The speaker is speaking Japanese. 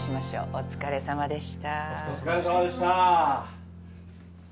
お疲れさまでした。